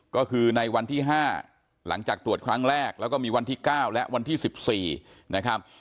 ก็คือในวันที่๕หลังจากตรวจครั้งแรกแล้วก็มีวันที่๙และวันที่๑๔นะครับ